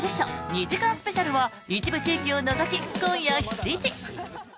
２時間スペシャルは一部地域を除き、今夜７時。